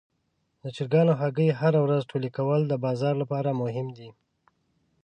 د چرګانو هګۍ هره ورځ ټولې کول د بازار لپاره مهم دي.